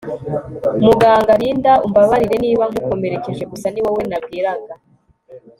Muganga Linda umbabarire niba nkukomerekeje gusa niwowe nabwiraga